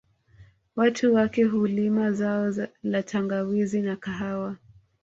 Watu wake hulima zao la tangawizi na kahawa